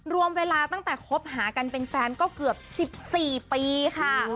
รวมเวลาตั้งแต่คบหากันเป็นแฟนก็เกือบ๑๔ปีค่ะ